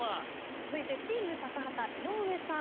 続いてチーム高畑井上さん。